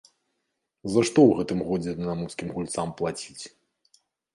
За што ў гэтым годзе дынамаўскім гульцам плаціць?